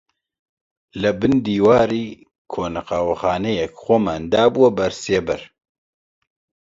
لەبن دیواری کۆنە قاوەخانەیەک خۆمان دابووە بەر سێبەر